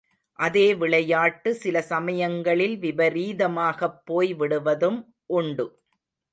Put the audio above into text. அதே விளையாட்டு சில சமயங்களில் விபரீதமாகப் போய் விடுவதும் உண்டு.